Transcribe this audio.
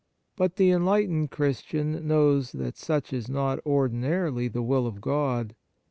But the enlightened Christian knows that such is not, ordinarily, the will of God.